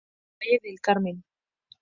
Se ubica en el Valle de El Carmen.